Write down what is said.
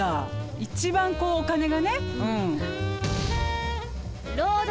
一番こうお金がねうん。